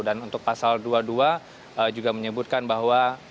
dan untuk pasal dua puluh dua juga menyebutkan bahwa